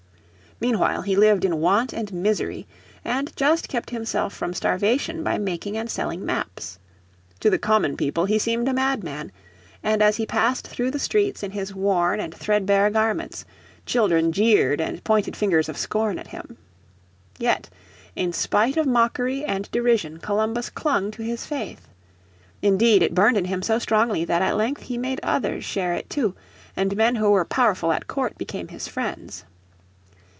Meanwhile he lived in want and misery, and just kept himself from starvation by making and selling maps. To the common people he seemed a madman, and as he passed through the streets in his worn and threadbare garments children jeered and pointed fingers of scorn at him. Yet in spite of mockery and derision Columbus clung to his faith. Indeed it burned in him so strongly that at length he made others share it too, and men who were powerful at court became his friends.